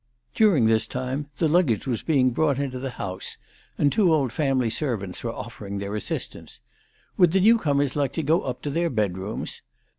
During this time the luggage was being brought into the house, and two old family servants were offering them assistance. Would the new comers like to go up to their bedrooms